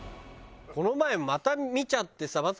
この前また見ちゃってさ。